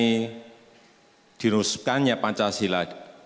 ini dirusukannya pancasila